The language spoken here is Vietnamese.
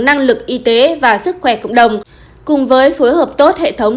năng lực y tế và sức khỏe cộng đồng cùng với phối hợp tốt hệ thống